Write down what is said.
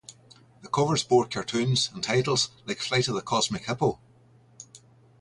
The covers bore cartoons and titles like "Flight of the Cosmic Hippo".